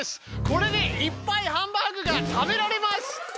これでいっぱいハンバーグが食べられます！